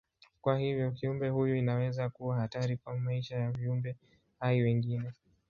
Kwa hivyo kiumbe huyu inaweza kuwa hatari kwa maisha ya viumbe hai wengine.